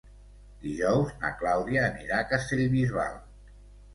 Dijous na Clàudia anirà a Castellbisbal.